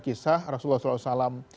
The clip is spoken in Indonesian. kisah rasulullah saw